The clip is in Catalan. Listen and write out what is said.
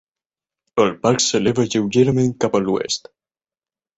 El parc s'eleva lleugerament cap a l'oest.